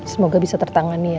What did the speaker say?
semoga bisa tertangani ya